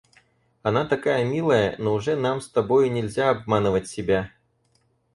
Она такая милая, но уже нам с тобою нельзя обманывать себя.